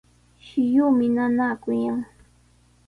Shilluumi nanaakullan.